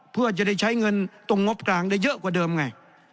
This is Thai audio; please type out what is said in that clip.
เพื่อจะได้ใช้เงินตรงงบกลางได้เยอะกว่าเดิมไง